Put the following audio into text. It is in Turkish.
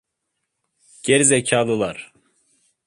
Geri zekalılar!